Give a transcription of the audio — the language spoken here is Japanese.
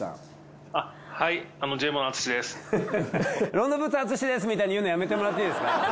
ロンドンブーツ淳ですみたいに言うのやめてもらっていいですか？